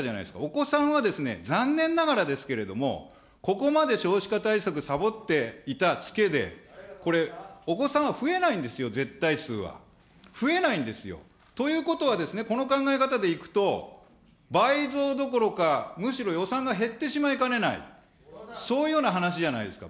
お子さんは残念ながらですけれども、ここまで少子化対策さぼっていたつけで、お子さん増えないんですよ、絶対数は。増えないんですよ。ということはですね、この考え方でいくと、倍増どころかむしろ予算が減ってしまいかねない、そういうような話じゃないですか。